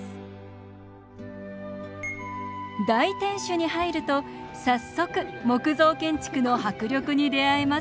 大天守に入ると早速木造建築の迫力に出会えます。